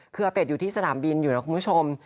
คืออาเป็ดอยู่ที่สนามบินอยู่นะคุณผู้ชม